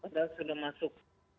padahal sudah masuk